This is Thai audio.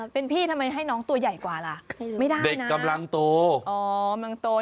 ปสี่อายุเท่าไรครับ